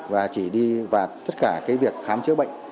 và chỉ đi vào tất cả cái việc khám chữa bệnh